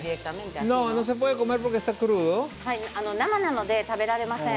生なので食べられません。